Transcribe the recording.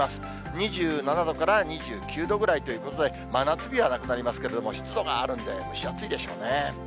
２７度から２９度ぐらいということで、真夏日はなくなりますけど、湿度があるんで蒸し暑いでしょうね。